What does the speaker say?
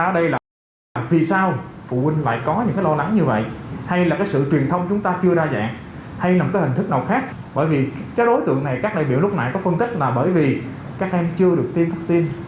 đối tượng này các đại biểu lúc nãy có phân tích là bởi vì các em chưa được tiêm vaccine